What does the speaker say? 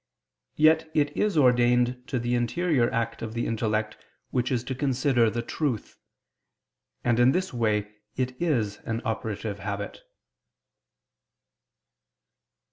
Yet it is ordained to the interior act of the intellect which is to consider the truth. And in this way it is an operative habit.